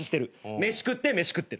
飯食って飯食ってる。